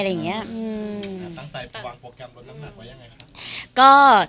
ตั้งใจวางโปรแกรมลดน้ำหนักไว้ยังไงครับ